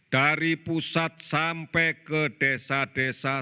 dari pusat sampai ke desa desa